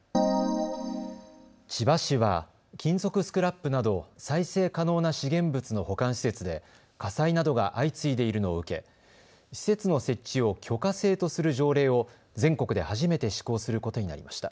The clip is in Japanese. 千葉市は金属スクラップなど、再生可能な資源物の保管施設で火災などが相次いでいるのを受け施設の設置を許可制とする条例を全国で初めて施行することになりました。